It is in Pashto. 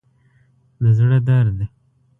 د زړه درد